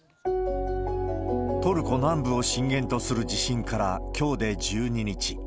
トルコ南部を震源とする地震から、きょうで１２日。